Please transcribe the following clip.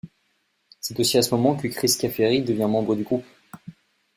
C'est aussi à ce moment que Chris Caffery devient membre du groupe.